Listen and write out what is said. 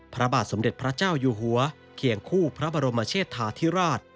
พระบาทสมเด็จพระเจ้าอยู่หัวเคียงคู่พระบรมเชษฐาธิราช